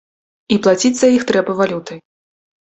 І плаціць за іх трэба валютай.